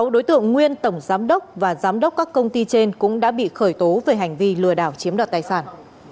sáu đối tượng nguyên tổng giám đốc và giám đốc các công ty trên cũng đã bị khởi tố về hành vi lừa đảo chiếm đoạt tài sản